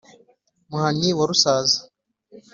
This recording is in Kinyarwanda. muhanyi wa rusaza,